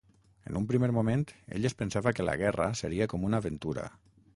En un primer moment, ell es pensava que la guerra seria com una aventura.